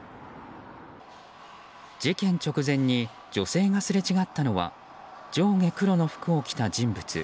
事件直前に女性がすれ違ったのは上下黒の服を着た人物。